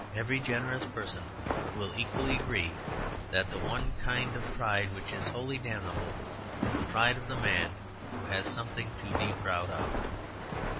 And every generous person will equally agree that the one kind of pride which is wholly damnable is the pride of the man who has something to be proud of.